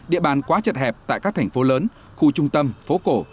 địa bàn quá chật hẹp tại các thành phố lớn khu trung tâm phố cổ